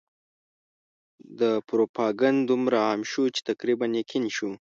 دا پروپاګند دومره عام شو چې تقریباً یقین شو.